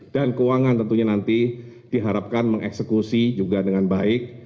dan keuangan tentunya nanti diharapkan mengeksekusi juga dengan baik